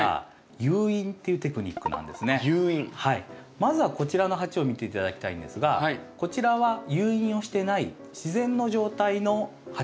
まずはこちらの鉢を見て頂きたいんですがこちらは誘引をしてない自然の状態の鉢ですね。